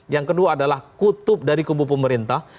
yang kedua adalah kutub dari kubu pemerintah